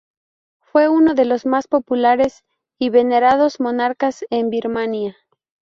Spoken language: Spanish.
Fue uno de los más populares y venerados monarcas en Birmania.